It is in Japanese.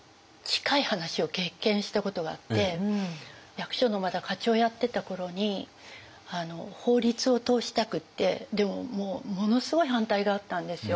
役所のまだ課長やってた頃に法律を通したくってでももうものすごい反対があったんですよ。